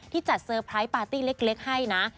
จัดเซอร์ไพรส์ปาร์ตี้เล็กให้นะ